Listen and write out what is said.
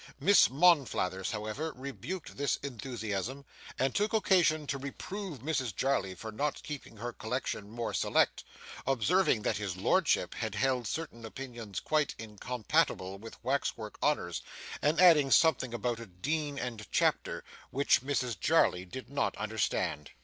Miss Monflathers, however, rebuked this enthusiasm, and took occasion to reprove Mrs Jarley for not keeping her collection more select: observing that His Lordship had held certain opinions quite incompatible with wax work honours, and adding something about a Dean and Chapter, which Mrs Jarley did not understand.